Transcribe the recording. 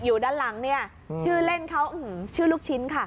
อยู่ด้านหลังเนี่ยชื่อเล่นเขาชื่อลูกชิ้นค่ะ